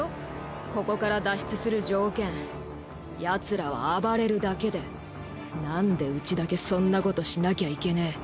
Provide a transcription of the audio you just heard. ここから脱出する条件奴らは暴れるだけで何でウチだけそんなことしなきゃいけねえ？